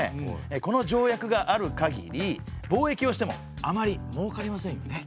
この条約がある限り貿易をしてもあまりもうかりませんよね。